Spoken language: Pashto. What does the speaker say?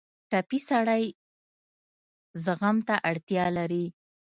ټپي سړی زغم ته اړتیا لري.